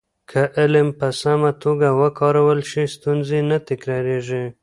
که علم په سمه توګه وکارول شي، ستونزې نه تکرارېږي.